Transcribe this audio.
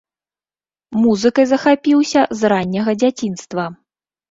Музыкай захапіўся з ранняга дзяцінства.